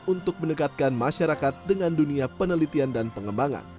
untuk mendekatkan masyarakat dengan dunia penelitian dan pengembangan